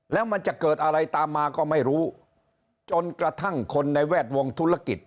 แล้วมันจะเกิดอะไรตามมาก็ไม่รู้จนกระทั่งคนในแวดวงธุรกิจ